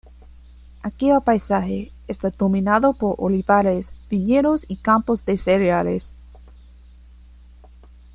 Aquí el paisaje está dominado por olivares, viñedos y campos de cereales.